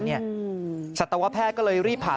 ตอนนี้ขอเอาผิดถึงที่สุดยืนยันแบบนี้